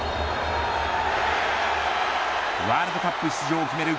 ワールドカップ出場を決める